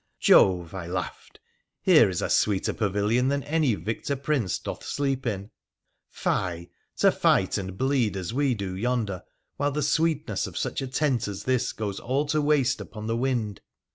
' Jove !' I laughed, ' here is a sweeter pavilion than any victor prince doth sleep in ! Fie ! to fight and bleed as we do yonder, while the sweetness of such a teut as this goes all to waste upon the wind